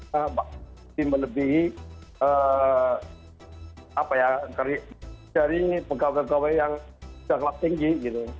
tidak melebihi dari pegawai pegawai yang jangkak tinggi gitu